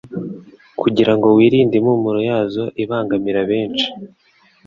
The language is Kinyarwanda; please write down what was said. kugira ngo wirinde impumuro yazo ibangamira benshi